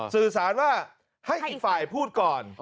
สื่อสารว่าให้อีกฝ่ายพูดก่อน